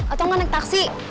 atau enggak naik taksi